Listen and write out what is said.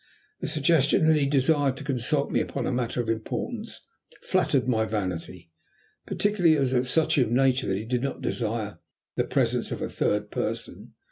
The suggestion that he desired to consult me upon a matter of importance flattered my vanity, particularly as it was of such a nature that he did not desire the presence of a third person.